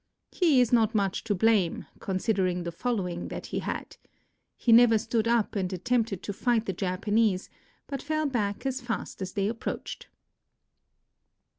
He is not much to blame, considering the following that he had. He never stood up and attempted to fight the Japanese, but fell back as fast as they approached.